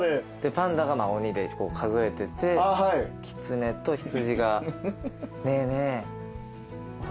パンダが鬼で数えててキツネと羊が。